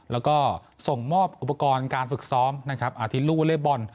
แล้วก็ส่งมอบอุปกรณ์การฝึกซ้อมอธิรูปวอเลอร์บอล